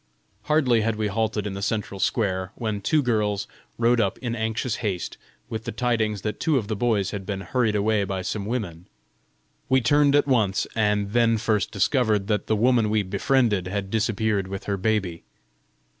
Hardly had we halted in the central square, when two girls rode up in anxious haste, with the tidings that two of the boys had been hurried away by some women. We turned at once, and then first discovered that the woman we befriended had disappeared with her baby.